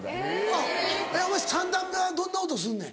あっお前３段目はどんな音すんねん？